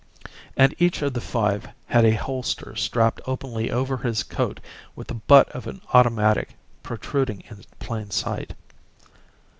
And each of the five had a holster strapped openly over his coat with the butt of an automatic protruding in plain sight.